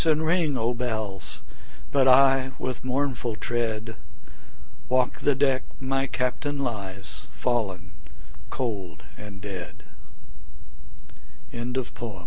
and ring, O bells! But I, with mournful tread, Walk the deck my Captain lies, Fallen cold a